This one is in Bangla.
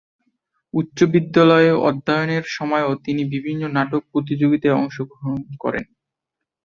উচ্চ বিদ্যালয়ে অধ্যয়নের সময়ও তিনি বিভিন্ন নাটক প্রতিযোগীতায় অংশ গ্রহণ করেন।